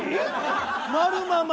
⁉まるまま。